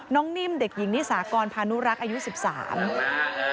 น้องนิ่มเด็กหญิงนิสากรพานุรักษ์อายุ๑๓